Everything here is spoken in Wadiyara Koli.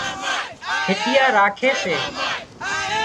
کِٽيا راکي سي